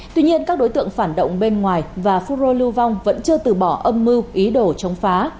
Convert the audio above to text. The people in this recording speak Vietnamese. tuy nhiên các đối tượng phản động bên ngoài và phun rô lưu vong vẫn chưa từ bỏ âm mưu ý đồ chống phá